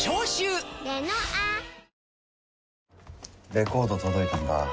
レコード届いたんだ